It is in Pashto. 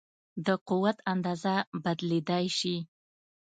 د قوت اندازه بدلېدای شي.